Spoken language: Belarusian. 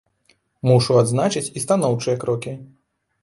Мушу адзначыць і станоўчыя крокі.